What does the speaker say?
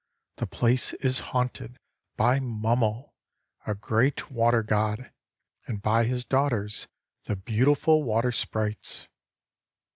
The place is haunted by Mummel, a great water god, and by his daughters, the beautiful water sprites.